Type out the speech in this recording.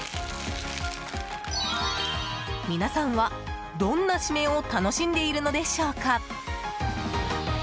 皆さんは、どんなシメを楽しんでいるのでしょうか。